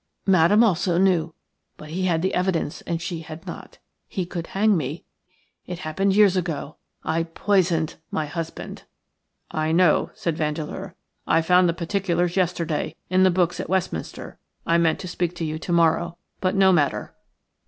Madame also knew, but he had the evidence and she had not. He could hang me – it happened years ago– I poisoned my husband." "I know," said Vandeleur. "I found the particulars yesterday, in the books at Westminster. I meant to speak to you to morrow – but no matter."